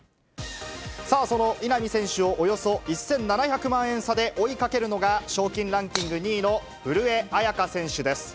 さあ、その稲見選手をおよそ１７００万円差で追いかけるのが賞金ランキング２位の古江彩佳選手です。